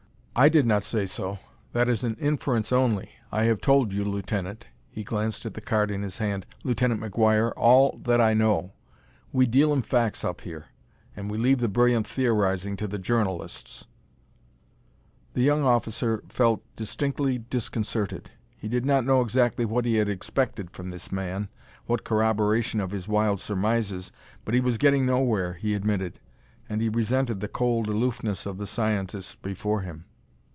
"I did not say so: that is an inference only. I have told you, Lieutenant" he glanced at the card in his hand " Lieutenant McGuire all that I know. We deal in facts up here, and we leave the brilliant theorizing to the journalists." The young officer felt distinctly disconcerted. He did not know exactly what he had expected from this man what corroboration of his wild surmises but he was getting nowhere, he admitted. And he resented the cold aloofness of the scientist before him.